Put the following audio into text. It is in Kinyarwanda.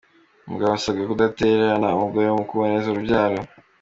Umugabo asabwa kudatererana umugore mu kuboneza urubyaro